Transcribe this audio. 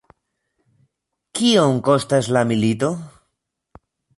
Kiom kostas la milito?